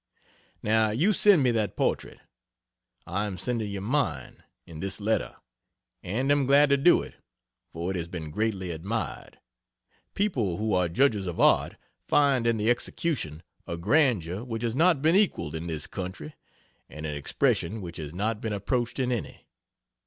Now you send me that portrait. I am sending you mine, in this letter; and am glad to do it, for it has been greatly admired. People who are judges of art, find in the execution a grandeur which has not been equalled in this country, and an expression which has not been approached in any.